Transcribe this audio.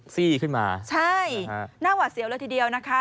ซี่ขึ้นมาใช่หน้าหวาดเสียวเลยทีเดียวนะคะ